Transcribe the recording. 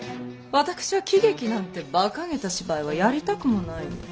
私は喜劇なんてバカげた芝居はやりたくもないの。